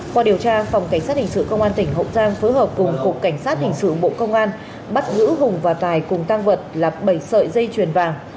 qua điều tra phòng cảnh sát hình sự công an tỉnh hậu giang phối hợp cùng cục cảnh sát hình sự bộ công an bắt giữ hùng và tài cùng tăng vật là bảy sợi dây chuyền vàng